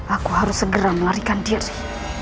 aku harus segera melarikan diri